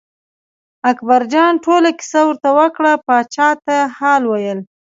اکبرجان ټوله کیسه ورته وکړه پاچا ته حال ویل.